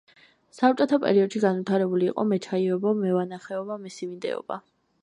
საბჭოთა პერიოდში განვითარებული იყო მეჩაიეობა, მევენახეობა, მესიმინდეობა.